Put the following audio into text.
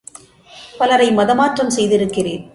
பலரை மதமாற்றம் செய்திருக்கிறேன்.